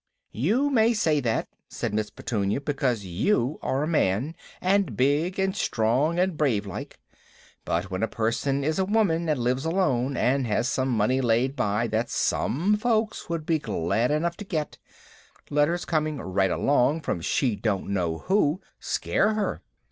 "You may say that," said Miss Petunia, "because you are a man, and big and strong and brave like. But when a person is a woman, and lives alone, and has some money laid by that some folks would be glad enough to get, letters coming right along from she don't know who, scare her.